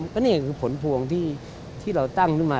ก็นี่ก็คือผลพวงที่เราตั้งขึ้นมา